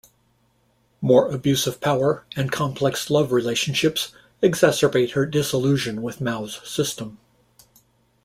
More abuse of power and complex love relationships exacerbate her disillusion with Mao's system.